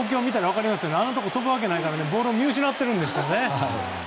あんなところ飛ぶわけないからボールを見失っています。